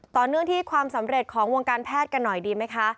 ต่อเนื่องที่ความสำเร็จของวงการแพทย์กันหน่อยดีไหมคะ